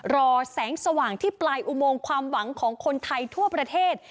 รอแสงสว่างที่ปลายอุโมงความหวังของคนไทยทั่วประเทศ